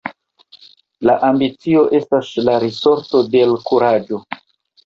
La ambicio estas la risorto de l' kuraĝo.